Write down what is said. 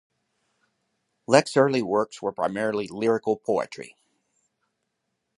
Lec's early works were primarily lyrical poetry.